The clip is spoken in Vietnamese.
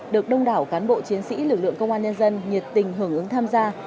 được đông đảo cán bộ chiến sĩ lực lượng công an nhân dân nhiệt tình hưởng ứng tham gia